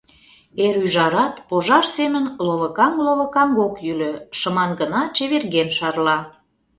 эр ӱжарат пожар семын ловыкаҥ-ловыкаҥ ок йӱлӧ, шыман гына чеверген шарла.